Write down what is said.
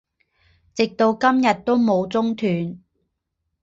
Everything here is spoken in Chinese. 直到今日都没有中断